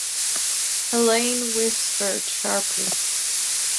Helene whispered sharply.